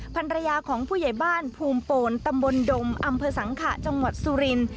ภรรยาของผู้ใหญ่บ้านภูมิโปนตำบลดมอำเภอสังขะจังหวัดสุรินทร์